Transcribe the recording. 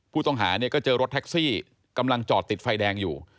ผู้ต้องหาเนี่ยก็เจอรถแท็กซี่กำลังจอดติดไฟแดงอยู่